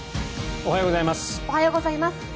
おはようございます。